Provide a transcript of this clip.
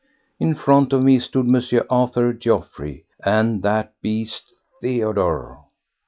In front of me stood M. Arthur Geoffroy and that beast Theodore.